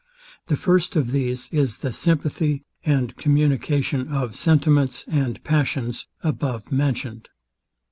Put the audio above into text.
The first of these is the sympathy, and communication of sentiments and passions above mentioned.